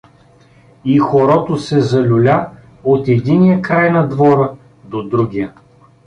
И хорото се залюля от единия край на двора до другия.